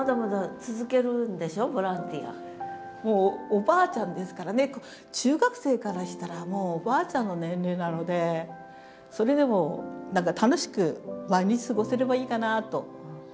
もうおばあちゃんですからね中学生からしたらもうおばあちゃんの年齢なのでそれでも何か楽しく毎日過ごせればいいかなと思ってます。